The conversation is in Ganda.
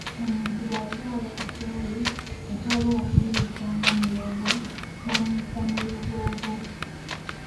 Omuntu bw’azaala Kasowole nga tayagala kumuyisa nga mulongo bamuyisa mu lubbobbo.